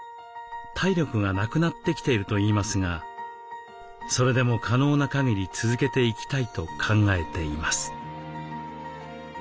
体力がなくなってきているといいますがそれでも可能なかぎり続けていきたいと考えています。